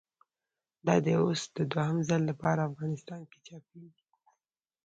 دا دی اوس د دوهم ځل له پاره افغانستان کښي چاپېږي.